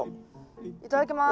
いただきます。